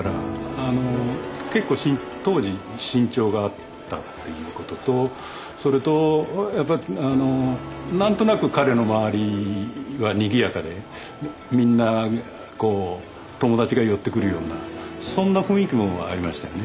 あの結構当時身長があったっていうこととそれとやっぱあの何となく彼の周りはにぎやかでみんながこう友達が寄ってくるようなそんな雰囲気もありましたよね